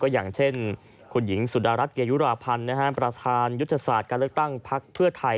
อย่างเช่นคุณหญิงสุดารัฐเกยุราพันธ์ประธานยุทธศาสตร์การเลือกตั้งพักเพื่อไทย